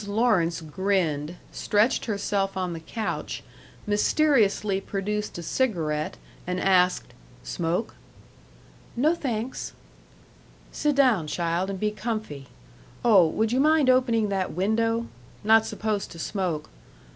Lawrence grinned, stretched herself on the couch, mysteriously produced a cigarette, and asked, "Smoke?" "No, thanks." "Sit down, child, and be comfy. Oh, would you mind opening that window? Not supposed to smoke....